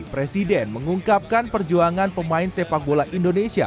presiden mengungkapkan perjuangan pemain sepak bola indonesia